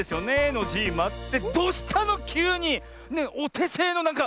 ノジーマ。ってどうしたのきゅうに⁉おてせいのなんか。